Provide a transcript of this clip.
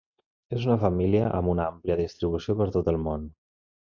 És una família amb una àmplia distribució per tot el món.